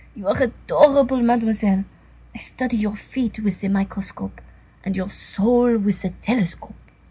You are adorable, Mademoiselle. I study your feet with the microscope and your soul with the telescope."